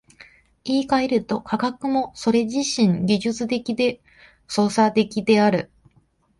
言い換えると、科学もそれ自身技術的で操作的である。